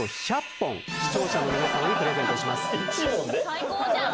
最高じゃん。